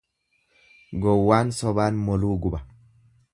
Gowwaan sobaan moluu guba.